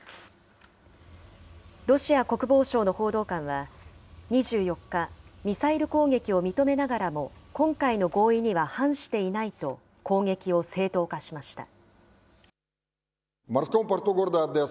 ロシア国防省の報道官は２４日、ミサイル攻撃を認めながらも、今回の合意には反していないと、攻撃を正当化しました。